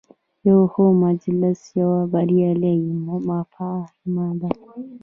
یو ښه مجلس یوه بریالۍ مفاهمه ده.